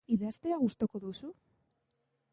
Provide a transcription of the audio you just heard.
Idaztea gustuko duzu?